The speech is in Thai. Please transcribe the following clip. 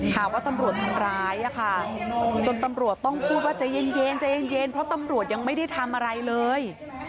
หาว่าตำรวจทำร้ายค่ะจนตำรวจต้องพูดว่าใจเย็นใจเย็นเพราะตำรวจยังไม่ได้ทำอะไรเลย